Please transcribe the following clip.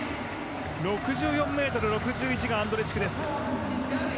６４ｍ６１がアンドレチクです。